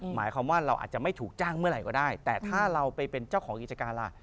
หมายความว่าเราอาจจะไม่ถูกจ้างเมื่อไหร่ก็ได้แต่ถ้าเราไปเป็นเจ้าของกิจการล่ะ